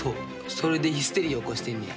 それでヒステリー起こしてんねや。